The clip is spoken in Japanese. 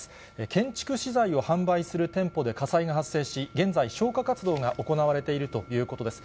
建築資材を販売する店舗で火災が発生し、現在、消火活動が行われているということです。